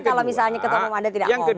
kalau misalnya ketemu ada yang tidak ngomong